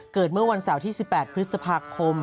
เมื่อวันเสาร์ที่๑๘พฤษภาคม